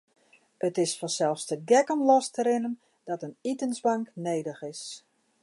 It is fansels te gek om los te rinnen dat in itensbank nedich is.